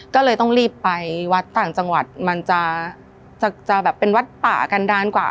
ก็เลยต้องรีบไปวัดต่างจังหวัดมันจะจะแบบเป็นวัดป่ากันด้านกว่า